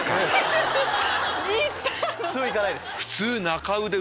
普通行かないです。